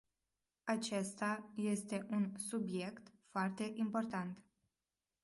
Acesta este un subiect foarte important.